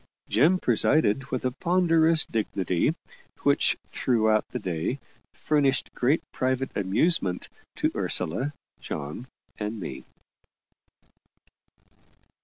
Jem presided with a ponderous dignity which throughout the day furnished great private amusement to Ursula, John, and me.